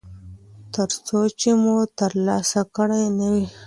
ترڅو چې مو ترلاسه کړی نه وي.